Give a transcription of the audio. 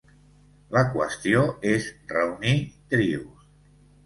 La qüestió és reunir trios.